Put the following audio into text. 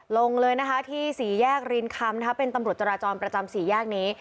ลงเลยนะคะที่สี่แยกรินคำเป็นตำรวจจราจรประจำสี่แยกนี้